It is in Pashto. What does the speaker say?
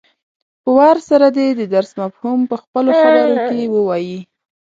په وار سره دې د درس مفهوم په خپلو خبرو کې ووايي.